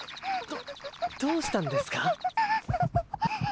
どどうしたんですか？